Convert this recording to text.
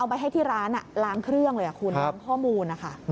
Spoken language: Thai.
ไปให้ที่ร้านล้างเครื่องเลยคุณล้างข้อมูลนะคะ